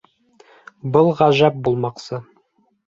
Был ғәжәп булмаҡсы!